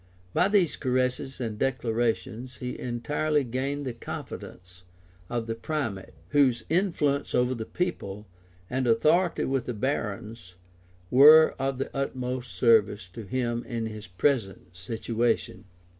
By these caresses and declarations he entirely gained the confidence of the primate, whose influence over the people, and authority with the barons, were of the utmost service to him in his present situation.